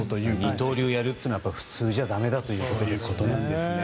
二刀流やるというのは普通じゃだめということですね。